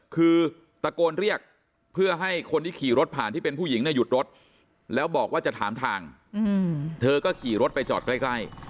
คือตะโกนเรียกเพื่อให้คนที่ขี่รถผ่านที่เป็นผู้หญิงเนี่ยหยุดรถแล้วบอกว่าจะถามทางเธอก็ขี่รถไปจอดใกล้